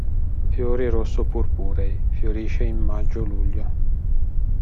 Fiori rosso purpurei; fiorisce in maggio-luglio.